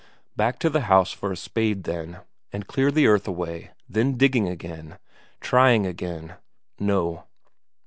Back to the house for a spade then, and clear the earth away, then digging again, trying again no.